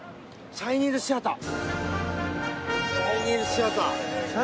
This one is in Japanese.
チャイニーズ・シアター。